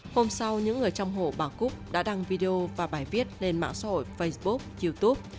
hôm sau những người trong hộ bà cúc đã đăng video và bài viết lên mạng xã hội facebook youtube